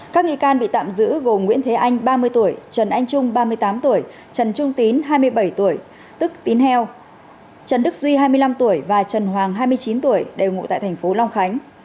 các nghi can bị tạm giữ gồm nguyễn thế anh ba mươi tuổi trần anh trung ba mươi tám tuổi trần trung tín hai mươi bảy tuổi tức tín heo trần đức duy hai mươi năm tuổi và trần hoàng hai mươi chín tuổi đều ngụ tại thành phố long khánh